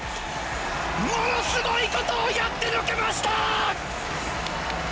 ものすごいことをやってのけました！